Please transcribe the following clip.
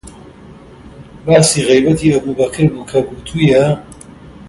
باسی غەیبەتی ئەبووبەکر بوو کە گوتوویە: